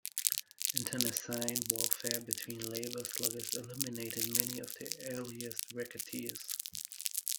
Internecine warfare between labor sluggers eliminated many of the earliest racketeers.